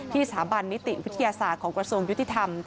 สถาบันนิติวิทยาศาสตร์ของกระทรวงยุติธรรม